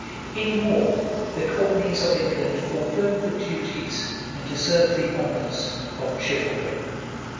In war, the Courtenays of England fulfilled the duties, and deserved the honors, of chivalry.